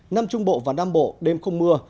nam trung bộ và nam bộ đêm không mưa